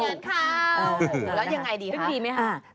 ไม่มีมั้ยครับ